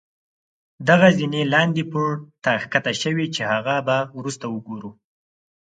دغه زينې لاندې پوړ ته ښکته شوي چې هغه به وروسته وګورو.